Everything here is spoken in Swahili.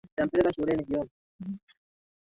Tumechoka kumgoja kijana huyo